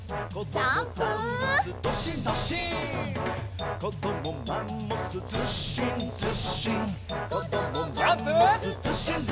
ジャンプ！